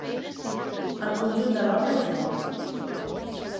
El conjunt de l'obra és bo.